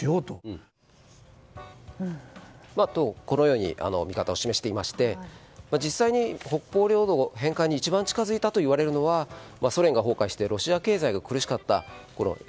このように見方を示していまして実際に北方領土返還に一番近づいたといわれるのがソ連が崩壊してロシア経済が厳しかったころ